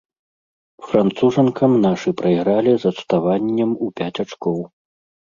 Францужанкам нашы прайгралі з адставаннем у пяць ачкоў.